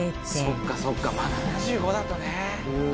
「そっかそっかまあ７５だとね」